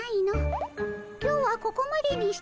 今日はここまでにして帰るかの。